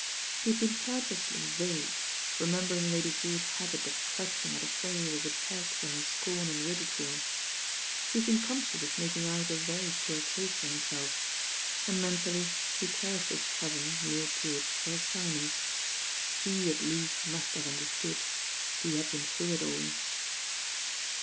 He had been purposely vague, remembering Lady Drewitt's habit of clutch ing at a phrase as a peg for her scorn and ridicule. He had been conscious of making out a \ery poor case for himself, and mentally he cursed his cousin, Lrrd Drewitt, for his silence. He at least must have understood, he had been through it all.